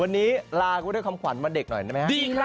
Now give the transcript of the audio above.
วันนี้ลากูด้วยคำขวัญวันเด็กหน่อยได้ไหมฮะ